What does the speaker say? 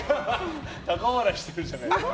高笑いしているじゃないですか。